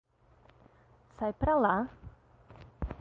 Sai pra lá